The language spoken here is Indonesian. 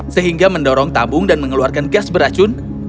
sehingga mendorong tabung dan mengeluarkan gas beracun